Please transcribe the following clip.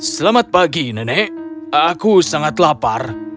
selamat pagi nenek aku sangat lapar